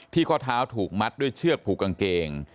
ข้อเท้าถูกมัดด้วยเชือกผูกกางเกง